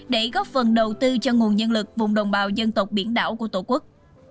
để góp phần đầu tư cho nguồn nhân lực vùng đồng bào dân tộc biển đảo của tổ quốc